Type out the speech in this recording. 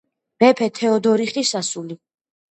მეფე თეოდორიხის ასული.